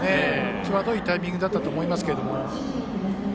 際どいタイミングだったと思いますけど。